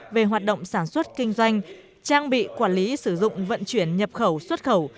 về hoạt động sản xuất kinh doanh trang bị quản lý sử dụng vận chuyển nhập khẩu xuất khẩu